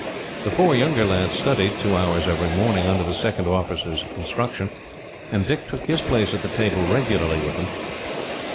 The four younger lads studied, two hours every morning, under the second officer's instruction; and Dick took his place at the table regularly with them.